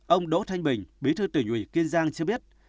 ông đỗ thanh bình bí thư tỉnh ủy kiên giang cho biết